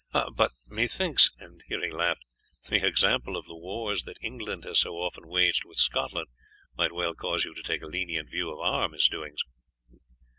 But methinks," and here he laughed, "the example of the wars that England has so often waged with Scotland might well cause you to take a lenient view of our misdoings."